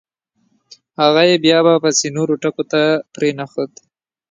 هغه یې بیا به … پسې نورو ټکو ته پرېنښود.